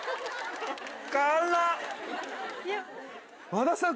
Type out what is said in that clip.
和田さん